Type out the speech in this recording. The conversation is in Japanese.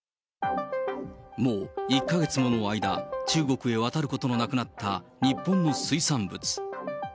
もう１か月もの間、中国へ渡ることのなくなった日本の水産物。